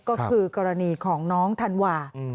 ก็คือกรณีของน้องธันวา